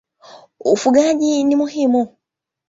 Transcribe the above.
Ufugaji ni muhimu.